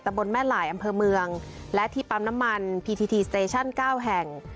บนแม่หลายอำเภอเมืองและที่ปั๊มน้ำมันพีทีทีสเตชั่น๙แห่ง